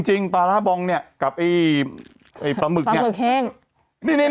จริงปลาร่าบองนี่กับไอปลาหมึกนี่